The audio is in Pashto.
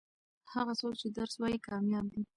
هغه څوک چې درس وايي کامياب دي.